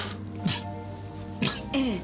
ええ。